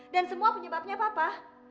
dan semua penyebabnya ibu